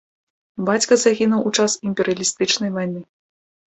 Бацька загінуў у час імперыялістычнай вайны.